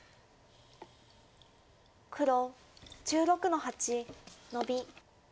黒１６の八ノビ。